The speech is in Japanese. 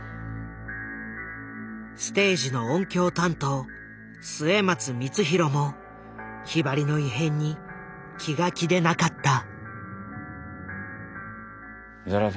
ステージの音響担当末松光廣もひばりの異変に気が気でなかった。